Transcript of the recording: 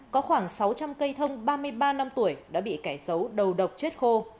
có khoảng sáu trăm linh cây thông ba mươi ba năm tuổi đã bị kẻ xấu đầu độc chết khô